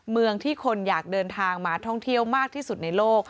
เมืองที่คนอยากเดินทางมาท่องเที่ยวมากที่สุดในโลก